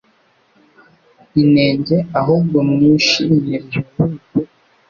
inenge ahubwo mwishimye bihebuje